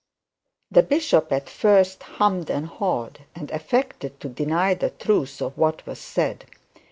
The bishop at first hummed and hawed, and affected to deny the truth of what was said.